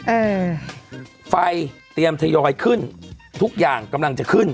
อืมไฟเตรียมทยอยขึ้นทุกอย่างกำลังจะขึ้น